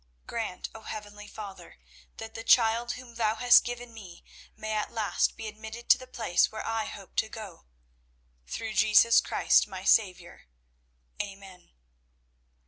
Grant, O heavenly Father, that the child whom Thou hast given me may at last be admitted to the place where I hope to go. Through Jesus Christ my Saviour. Amen."